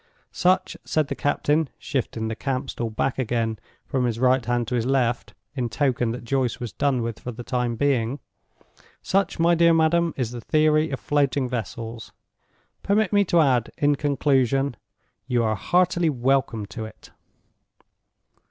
Such," said the captain, shifting the camp stool back again from his right hand to his left, in token that Joyce was done with for the time being; "such, my dear madam, is the Theory of Floating Vessels. Permit me to add, in conclusion, you are heartily welcome to it."